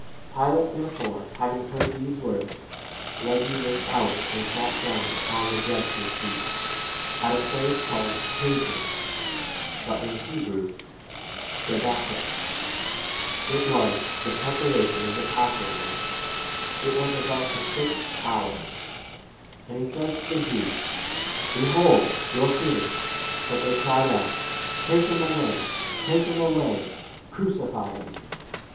Pilate therefore, having heard these words, a led Jesus out and sat down upon [the] b judgment seat, at a place called Pavement, but in Hebrew Gabba 14 tha; (it was [the] preparation of the passover ; it was c about the sixth hour ;) and he says to the Jews, 15 Behold your king ! But they cried out, Take [him] away, take [him] away, crucify him.